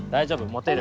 持てる？